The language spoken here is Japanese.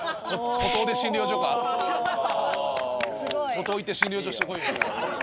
孤島行って診療所してこいよじゃあ。